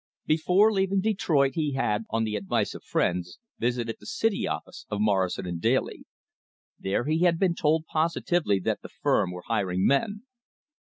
Before leaving Detroit he had, on the advice of friends, visited the city office of Morrison & Daly. There he had been told positively that the firm were hiring men.